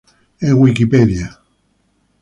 En Wikipedia.